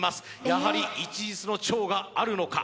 やはり一日の長があるのか？